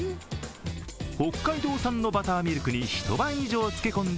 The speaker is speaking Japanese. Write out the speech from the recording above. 北海道産のバターミルクに一晩以上つけ込んだ